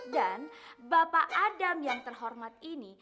dan bapak adam yang terhormat ini